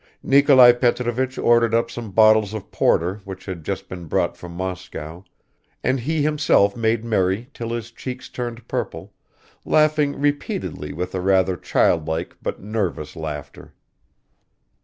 Nikolai Petrovich ordered up some bottles of porter which had just been brought from Moscow, and he himself made merry till his cheeks turned purple, laughing repeatedly with a rather childlike but nervous laughter.